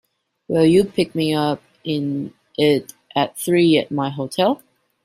Will you pick me up in it at three at my hotel?